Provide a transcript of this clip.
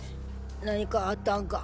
何かあったんか。